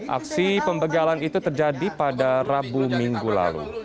aksi pembegalan itu terjadi pada rabu minggu lalu